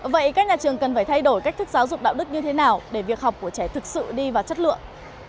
vậy các nhà trường cần phải thay đổi cách thức giáo dục đạo đức như thế nào để việc học của trẻ thực sự đi vào chất lượng